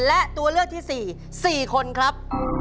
และตัวเลือกที่สี่สี่คนครับ